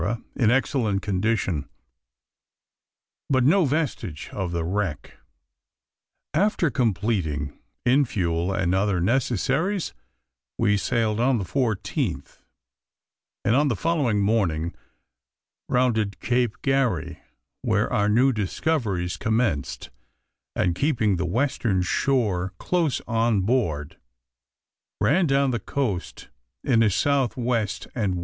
in excellent condition, but no vestige of the wreck. After completing in fuel and other necessaries, we sailed on the 14th, and on the following morning rounded Cape Garry, where our new discoveries commenced, and, keeping the western shore close on board, ran down the coast in a S. W. and W.